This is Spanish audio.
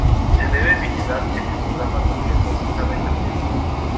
Se debe vigilar el hemograma completo una vez al mes.